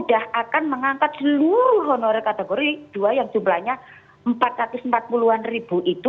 akan mengangkat seluruh honorer kategori dua yang jumlahnya empat ratus empat puluh an ribu itu